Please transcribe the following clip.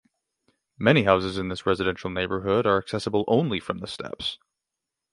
Many houses in this residential neighborhood are accessible only from the steps.